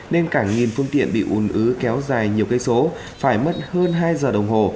nên cả nghìn phương tiện bị ùn ứ kéo dài nhiều cây số phải mất hơn hai giờ đồng hồ